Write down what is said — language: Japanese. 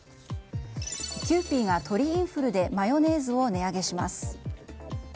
キユーピーが鳥インフルでマヨネーズを値上げします。